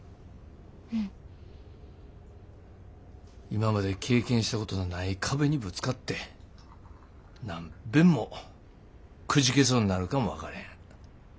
今まで経験したことのない壁にぶつかって何べんもくじけそうになるかも分かれへん。